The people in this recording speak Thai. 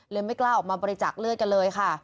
ไม่กล้าออกมาบริจักษ์เลือดกันเลยค่ะ